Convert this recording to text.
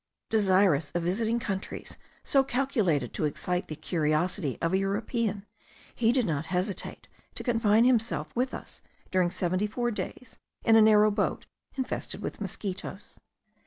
Desirous of visiting countries so calculated to excite the curiosity of a European, he did not hesitate to confine himself with us during seventy four days in a narrow boat infested with mosquitos.